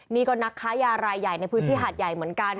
นี่ก็นักค้ายารายใหญ่ในพื้นที่หาดใหญ่เหมือนกัน